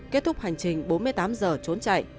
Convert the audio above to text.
kết thúc hành trình bốn mươi tám giờ trốn chạy